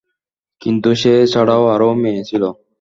কিন্তু সে ছাড়াও আরও মেয়ে ছিল।